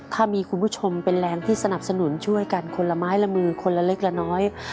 ถ้ามีคุณผู้ชมเป็นแรงที่สนับสนุนช่วยกันคนละไม้ละมือคนละเล็กละน้อย